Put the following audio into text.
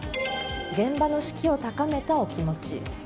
現場の士気を高めたお気持ち。